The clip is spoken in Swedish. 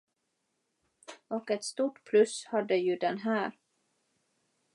Och ett stort plus hade ju den här.